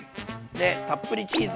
でたっぷりチーズ。